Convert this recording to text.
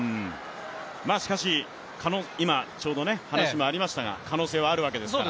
しかし、今、ちょうど話もありましたが、可能性はあるわけですから。